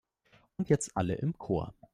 Und jetzt alle im Chor!